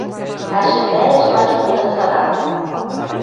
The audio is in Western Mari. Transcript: Ашӹндӓрӓш лач кодын садак.